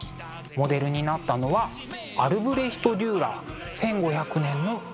モデルになったのはアルブレヒト・デューラー「１５００年の自画像」。